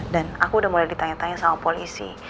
dan aku udah mulai ditanya tanya sama polisi